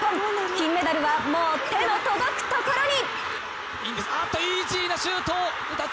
金メダルはもう手の届くところに！